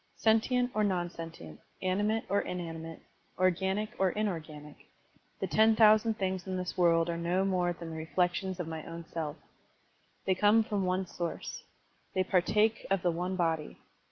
Sentient or non sentient, animate or inani mate, organic or inorganic, the ten thousand things in this world are no more than the reflec tions of my own self. They come from the one source. They partake of the one body.